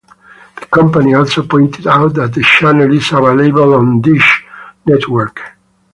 The company also pointed out that the channel is available on Dish Network.